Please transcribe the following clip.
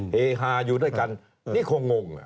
เฮฮาอยู่ด้วยกันนี่คงง